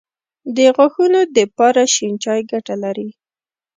د غاښونو دپاره شين چای ګټه لري